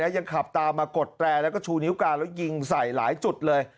ยังขับตามมากดแตรแล้วก็ชูนิ้วกลางแล้วยิงใส่หลายจุดเลย